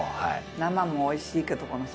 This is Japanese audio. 生もおいしいけど。